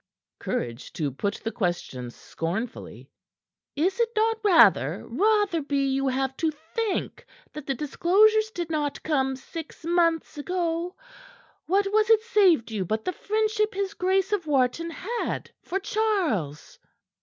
courage to put the question scornfully. "Is it not rather Rotherby you have to thank that the disclosures did not come six months ago? What was it saved you but the friendship his Grace of Wharton had for Charles?"